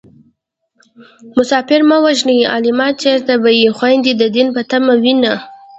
مسافر مه وژنئ عالمه چېرته به يې خويندې د دين په تمه وينه